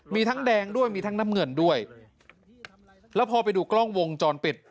มีทั้งแดงด้วยมีทั้งน้ำเงินด้วยแล้วพอไปดูกล้องวงจรปิด